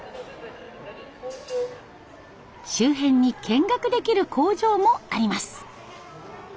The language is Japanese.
周辺に見学できる工場もあります。